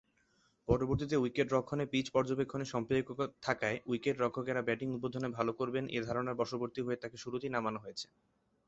পরবর্তীতে উইকেট-রক্ষণে পীচ পর্যবেক্ষণে সম্পৃক্ততা থাকায় উইকেট-রক্ষকেরা ব্যাটিং উদ্বোধনে ভাল করবেন এ ধারনার বশবর্তী হয়ে তাকে শুরুতেই নামানো হয়েছে।